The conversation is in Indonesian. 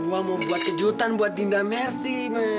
gue mau buat kejutan buat dinda mersi